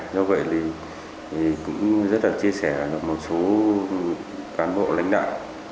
do vậy cũng rất là chia sẻ với một số cán bộ lãnh đại